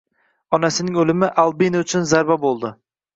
Onasining o'limi Albina uchun zarba bo'ldi